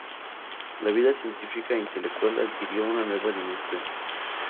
La vida científica e intelectual adquirió una nueva dimensión.